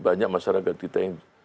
banyak masyarakat kita yang